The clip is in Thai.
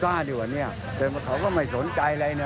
หลุงโกบุริ